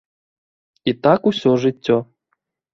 І так усё жыццё.